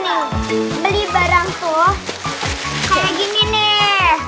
nih beli barang tuh kayak gini nih